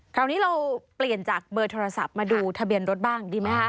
คราวนี้เราเปลี่ยนจากเบอร์โทรศัพท์มาดูทะเบียนรถบ้างดีไหมคะ